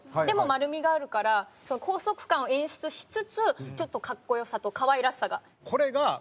でも丸みがあるから高速感を演出しつつちょっとかっこよさとかわいらしさが。